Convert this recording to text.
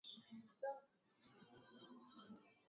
nchi nyingi zinazokua kutegemea kuni na fueli mangozinginezo